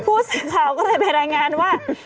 ผู้สื่อข่าวก็เลยไปรายงานว่า